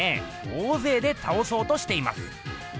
大ぜいでたおそうとしています。